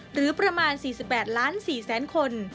หรือประมาณ๔๘ล้าน๔แสนคน